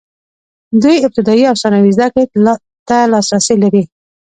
دوی ابتدايي او ثانوي زده کړې ته لاسرسی لري.